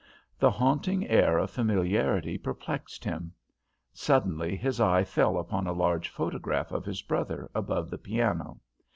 The haunting air of familiarity perplexed him. Suddenly his eye fell upon a large photograph of his brother above the piano.